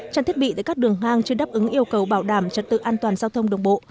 trang thiết bị tại các đường hang chưa đáp ứng yêu cầu bảo đảm trật tự an toàn giao thông đường bộ